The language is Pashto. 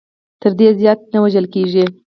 تر دې زیات نه وژل کېږو.